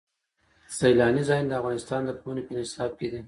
سیلاني ځایونه د افغانستان د پوهنې په نصاب کې دي.